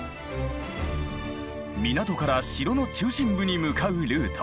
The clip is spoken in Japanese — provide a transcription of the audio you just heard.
港から城の中心部に向かうルート。